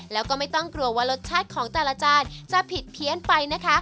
แล้วก็ไม่ต้องกลัวว่ารสชาติของแต่ละจานจะผิดเพี้ยนไปนะคะ